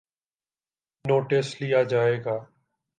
Notice لیا جائے گا۔